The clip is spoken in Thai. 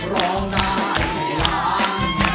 ร้องด้ายหายล้าน